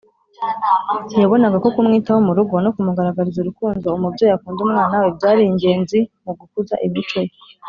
Yabonaga ko kumwitaho mu rugo, no kumugaragariza urukundo umubyeyi akunda umwana we, byari ingenzi mu gukuza imico Ye.